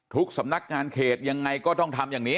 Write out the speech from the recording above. สำนักงานเขตยังไงก็ต้องทำอย่างนี้